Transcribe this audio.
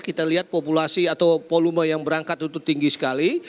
kita lihat populasi atau volume yang berangkat itu tinggi sekali